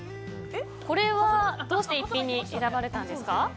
これはどうして逸品に選ばれたんですか。